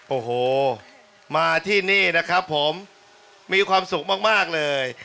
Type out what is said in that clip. โอ้โหมาที่นี่นะครับผมมีความสุขมากเลย